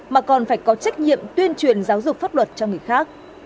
mà còn phải có trách nhiệm tuyên truyền giáo dục pháp luật cho người khác